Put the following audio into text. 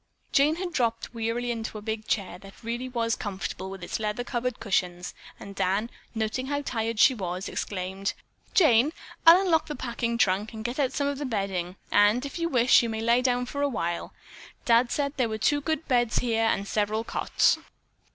Jane had dropped wearily into a big chair that really was comfortable with its leather covered cushions, and Dan, noting how tired she was, exclaimed: "Jane, I'll unlock the packing trunk and get out some of the bedding, and if you wish, you may lie down for a while. Dad said there were two good beds here and several cots."